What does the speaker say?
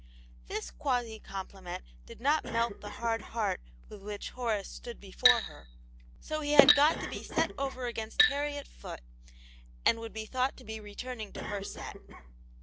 This quasi compliment did not melt the hard heart with which Horace stood before her : so he had got to be set over against Harriet Foot, and would be thought to be returning to'her set.